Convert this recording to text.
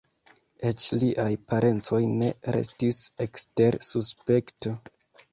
Eĉ liaj parencoj ne restis ekster suspekto.